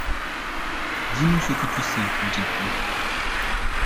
—dis-nous ce que tu sais, Jeppo.